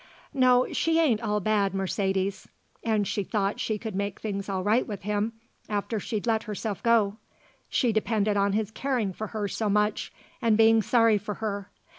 No, she ain't all bad, Mercedes. And she thought she could make things all right with him after she'd let herself go; she depended on his caring for her so much and being sorry for her.